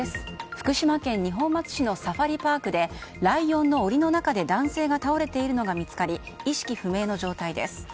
福島県二本松市のサファリパークでライオンの檻の中で男性が倒れているのが見つかり意識不明の状態です。